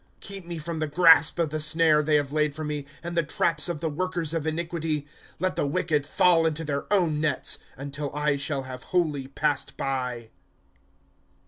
8 Keep me from the grasp of the snare Ihey have laid for me, And the traps of the workers of iniquity. » Let the wicked f^Il into their own nets, Until I shall have wholly passed by.